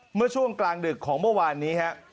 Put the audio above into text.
เมื่อช่วงกลางดึกของเมื่อวานนี้ครับ